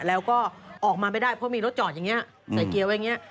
เพราะมีรถจอดอย่างนี้ใส่เกียร์ไว้อย่างนี้